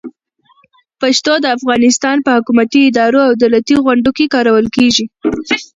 پښتو د افغانستان په حکومتي ادارو او دولتي غونډو کې کارول کېږي.